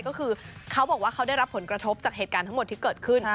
ก็คือเขาบอกว่าเขาได้รับผลกระทบจากเหตุการณ์ทั้งหมดที่เกิดขึ้น